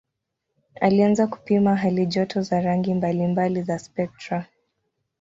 Alianza kupima halijoto za rangi mbalimbali za spektra.